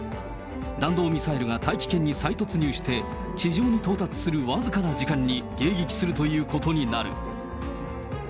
弾道ミサイルが大気圏に再突入して、地上に到達する僅かな時間に迎撃するということになる。